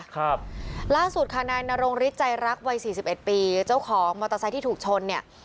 ครับล่าสุดค่ะนายนรงฤทธิใจรักวัยสี่สิบเอ็ดปีเจ้าของมอเตอร์ไซค์ที่ถูกชนเนี่ย